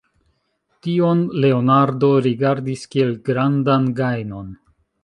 Tion Leonardo rigardis kiel grandan gajnon.